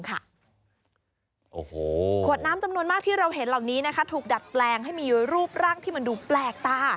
ขวดน้ำจำนวนที่เราเห็นล่ะนี้นะถูกดัดแปลงให้มีรูปร่างตา